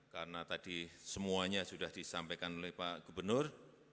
karena tadi semuanya sudah disampaikan oleh pak gubernur